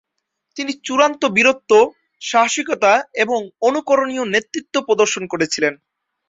তিনি চূড়ান্ত বীরত্ব, সাহসিকতা এবং অনুকরণীয় নেতৃত্ব প্রদর্শন করেছিলেন।